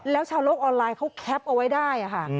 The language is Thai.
แล้วชาวโลกออนไลน์เขาแคปเอาไว้ได้ค่ะ